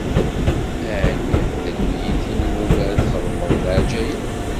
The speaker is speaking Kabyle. Ɛni d lmeyytin iwumi ara txedmeḍ leɛǧayeb?